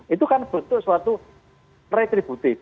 itu kan bentuk suatu retributif